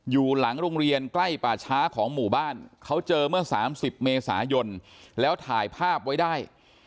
อยู่หลังโรงเรียนใกล้ป่าช้าของหมู่บ้านเขาเจอเมื่อ๓๐เมษายนแล้วถ่ายภาพไว้ได้